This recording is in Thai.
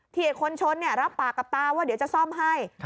ไอ้คนชนรับปากกับตาว่าเดี๋ยวจะซ่อมให้